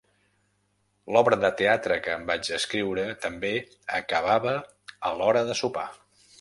L'obra de teatre que en vaig escriure també acabava a l'hora de sopar.